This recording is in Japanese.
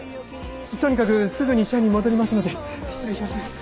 とにかくすぐに社に戻りますので失礼します。